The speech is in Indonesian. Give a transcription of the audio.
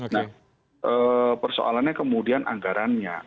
nah persoalannya kemudian anggarannya